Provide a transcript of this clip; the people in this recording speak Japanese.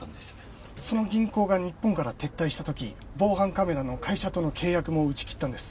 その銀行が日本から撤退した時防犯カメラの会社との契約も打ち切ったんです。